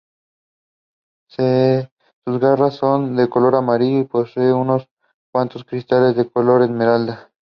Sus garras son de color amarillo y posee unos cuantos cristales de color esmeralda.